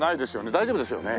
大丈夫ですよね？